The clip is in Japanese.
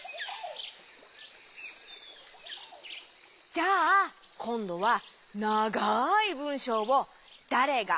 じゃあこんどはながいぶんしょうを「だれが」